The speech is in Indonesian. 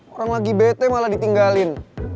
orang lagi bete malah ditinggalin